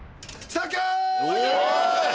サンキュー！